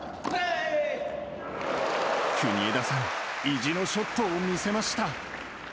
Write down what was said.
国枝さん、意地のショットを見せました。